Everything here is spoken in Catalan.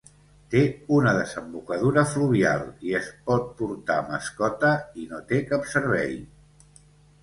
Té una desembocadura fluvial i es pot portar mascota i no té cap servei.